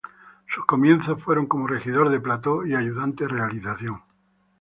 Sus comienzos fueron como regidor de plató y ayudante de realización.